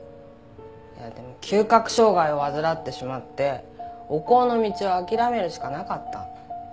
でも嗅覚障害を患ってしまってお香の道を諦めるしかなかった。